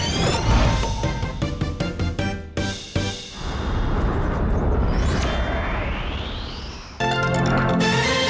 ว้าว